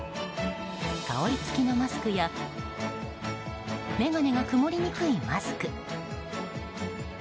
香り付きのマスクや眼鏡が曇りにくいマスク。